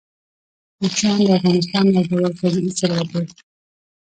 کوچیان د افغانستان یو ډول طبعي ثروت دی.